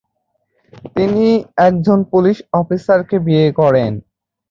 তিনি একজন পুলিশ অফিসারকে বিয়ে করেন।